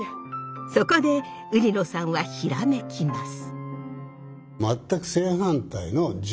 そこで売野さんはひらめきます。